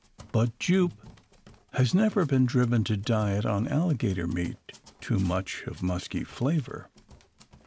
But Jupe has never been driven to diet on alligator meat too much of musky flavour.